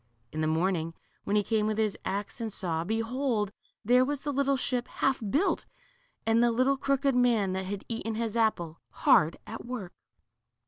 In the morning, when he came with his axe and saw, behold, there was the little ship half built, and the little crooked man that had eaten his apple, hard at work